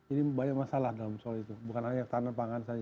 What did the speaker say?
ini banyak masalah dalam soal itu bukan hanya tahanan pangan saja